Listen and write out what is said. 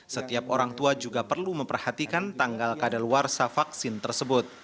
setiap orang tua juga perlu memperhatikan tanggal kadaluarsa vaksin tersebut